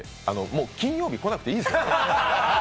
もう金曜日来なくていいですよ。